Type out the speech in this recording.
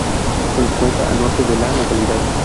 Se encuentra al norte de la localidad.